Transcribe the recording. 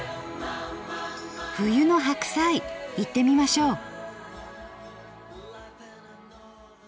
冬の白菜いってみましょう。